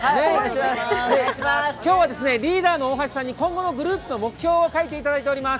今日はリーダーの大橋さんに今後の目標を書いていただいいています。